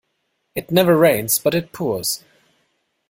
It never rains but it pours.